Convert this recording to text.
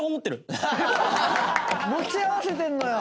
持ち合わせてるのよ。